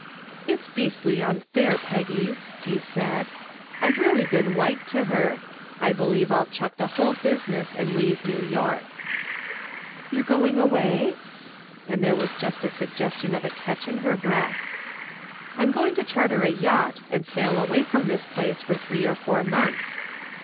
"It's beastly unfair, Peggy," he said. "I've really been white to her. I believe I'll chuck the whole business and leave New York." "You're going away?" and there was just a suggestion of a catch in her breath. "I'm going to charter a yacht and sail away from this place for three or four months."